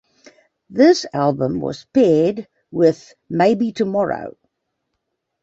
This album was paired up with "Maybe Tomorrow".